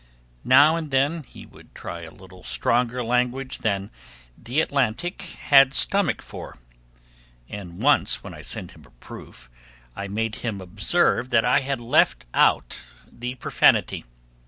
Now and then he would try a little stronger language than 'The Atlantic' had stomach for, and once when I sent him a proof I made him observe that I had left out the profanity.